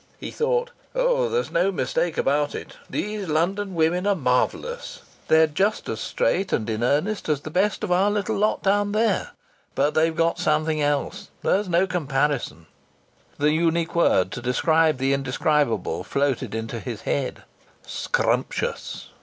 He thought: "Oh! there's no mistake about it. These London women are marvellous! They're just as straight and in earnest as the best of our little lot down there. But they've got something else. There's no comparison!" The unique word to describe the indescribable floated into his head: "Scrumptious!"